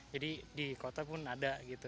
jadi di kota pun ada